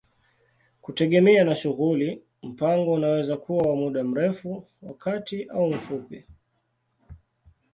Kutegemea na shughuli, mpango unaweza kuwa wa muda mrefu, wa kati au mfupi.